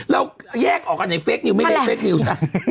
เราแยกออกอันไหนเฟคนิวไม่ใช่เฟคนิวนะ